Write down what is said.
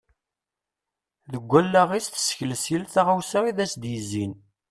Deg alaɣ-is tessekles yal taɣawsa i as-d-yezzin.